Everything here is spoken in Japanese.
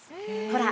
ほら